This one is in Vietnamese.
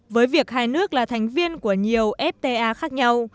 với việc hai nước là thành viên của nhiều fta khác nhau